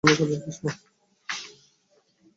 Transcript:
প্রকৃতপক্ষে ইহাই মানব-জীবনের প্রচণ্ড বিস্ময়।